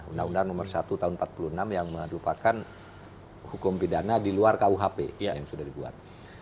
undang undang nomor satu tahun seribu sembilan ratus empat puluh enam yang merupakan hukum pidana di luar kuhp yang sudah dibuat